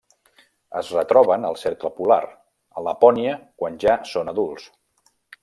Es retroben al cercle polar, a Lapònia quan ja són adults.